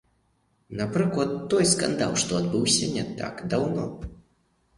Напрыклад, той скандал, што адбыўся не так даўно.